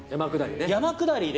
山下りね。